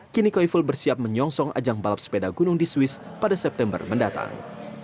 kini koiful bersiap menyongsong ajang balap sepeda gunung di swiss pada september mendatang